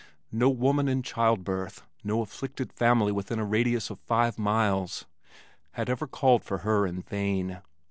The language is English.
No woman in childbirth, no afflicted family within a radius of five miles had ever called for her in vain.